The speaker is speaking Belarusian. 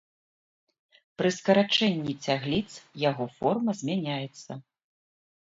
Пры скарачэнні цягліц яго форма змяняецца.